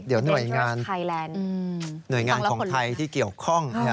เดี๋ยวหน่วยงานไทยแลนด์หน่วยงานของไทยที่เกี่ยวข้อง